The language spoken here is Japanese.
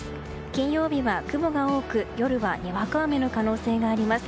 金曜日は雲が多く、夜はにわか雨の可能性があります。